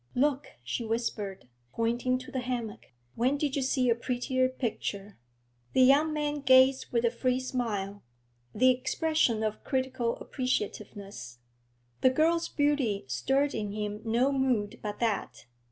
'Look,' she whispered, pointing to the hammock. 'When did you see a prettier picture?' The young man gazed with a free smile, the expression of critical appreciativeness. The girl's beauty stirred in him no mood but that.